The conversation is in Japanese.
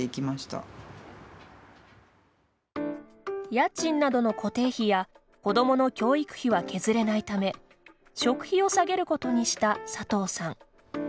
家賃などの固定費や子どもの教育費は削れないため食費を下げることにした佐藤さん。